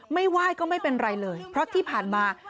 ไหว้ก็ไม่เป็นไรเลยเพราะที่ผ่านมา